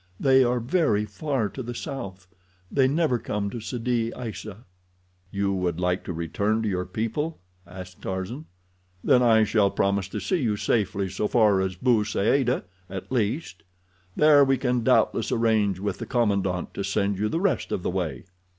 They are very far to the south. They never come to Sidi Aissa." "You would like to return to your people?" asked Tarzan. "Then I shall promise to see you safely so far as Bou Saada at least. There we can doubtless arrange with the commandant to send you the rest of the way."